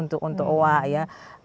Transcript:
untuk oha ya